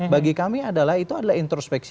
bagi kami adalah itu adalah introspeksi